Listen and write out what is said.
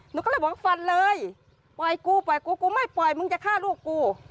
หนูก็เลยบอกว่าฟันเลยปล่อยกูปล่อยกูกูไม่ปล่อยมึงจะฆ่าลูกกู